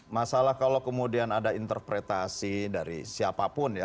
masalah kalau kemudian ada interpretasi dari siapapun ya